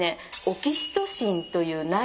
オキシトシンという内